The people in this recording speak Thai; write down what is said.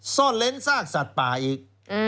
ซ่อนเล้นซากสัตว์ป่าอีก